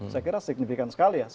jadi cukup signifikan sekali ya